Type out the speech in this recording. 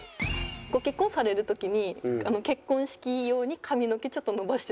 ご結婚される時に結婚式用に髪の毛ちょっと伸ばしてたみたいな。